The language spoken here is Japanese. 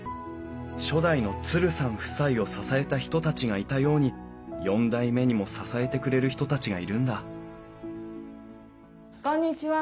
初代のツルさん夫妻を支えた人たちがいたように４代目にも支えてくれる人たちがいるんだこんにちは。